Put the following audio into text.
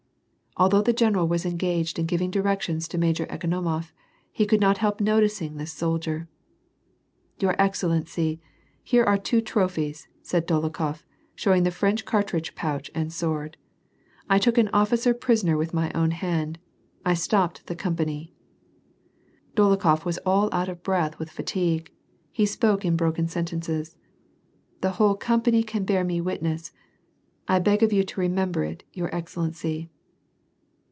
Although the general was enjxaj^ed in giviri'^ directions to Major Ekonomof, he could not help noticing this soldier. "Your excellency, here are two trophies,'' said Dolokhof, showing the French cartridge pouch and sword. " 1 Uyok an officer prisoner with my own hand. I stopj)ed tlie coTnjiany.'' Dolokhof was all out of breath with fatigue. Hh Kj>r,ke in broken sentences. "The whole company can l>ear me wit ness—I beg of you to remember it, your excellency